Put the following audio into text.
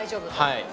はい。